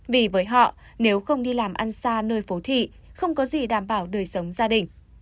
vì với họ nếu không đi làm ăn xa nơi phố thị không có gì đảm bảo đời sống gia đình